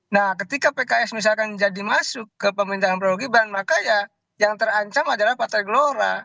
nah ketika pks misalkan jadi masuk ke pemerintahan prabowo gibran maka ya yang terancam adalah partai gelora